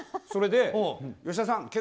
それで、吉田さん